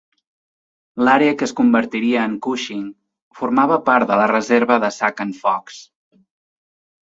L'àrea que es convertiria en Cushing formava part de la reserva de Sac and Fox.